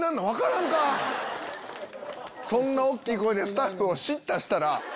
そんな大っきい声でスタッフを叱咤したら。